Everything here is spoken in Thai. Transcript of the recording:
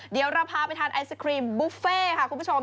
เดี๋ยวเราพาไปทานไอศครีมบุฟเฟ่ค่ะคุณผู้ชม